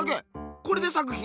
これで作品？